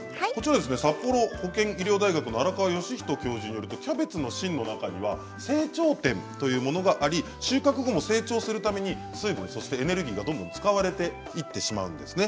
札幌保健医療大学の荒川義人教授によるとキャベツの芯の中には生長点というのがあり収穫後も成長するために水分やエネルギーが使われていくそうです。